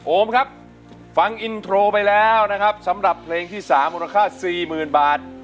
โอมครับฟังอินโทรไปแล้วนะครับสำหรับเพลงที่๓มูลค่า๔๐๐๐บาท